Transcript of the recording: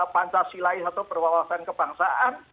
pancasila ini atau perwawasan kebangsaan